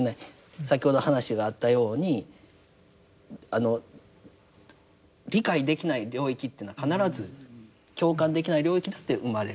先ほど話があったように理解できない領域というのは必ず共感できない領域だって生まれる。